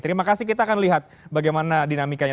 terima kasih kita akan lihat bagaimana dinamikanya